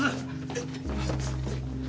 えっ。